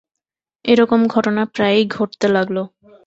এরকম ঘটনা প্রায়ই ঘটতে লাগল।